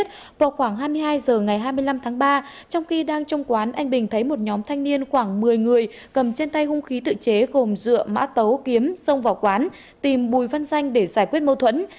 trong khi đang trong quán anh bình thấy một nhóm thanh niên khoảng một mươi người cầm trên tay hung khí tự chế gồm dựa mã tấu kiếm xông vào quán tìm bùi văn danh để giải quyết mâu thuẫn